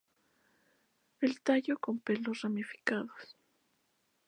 El tallo con pelos ramificados.